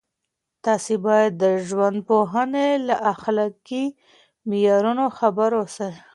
تاسو باید د ژوندپوهنې له اخلاقي معیارونو خبر اوسئ.